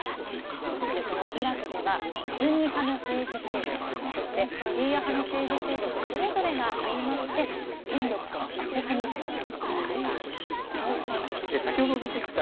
そして、そのイラクではスンニ派の政治勢力そして、シーア派の政治勢力それぞれがありまして権力と密接につながってきました。